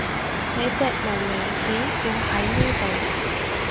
你隻無名指要喺呢度